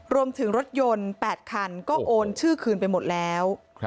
รวมถึงรถยนต์๘คันก็โอนชื่อคืนไปหมดแล้ว